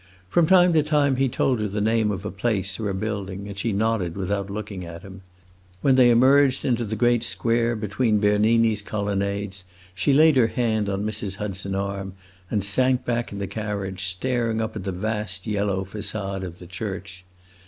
From time to time he told her the name of a place or a building, and she nodded, without looking at him. When they emerged into the great square between Bernini's colonnades, she laid her hand on Mrs. Hudson's arm and sank back in the carriage, staring up at the vast yellow facade of the church.